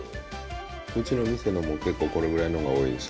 うちの店のも結構これぐらいのが多いです。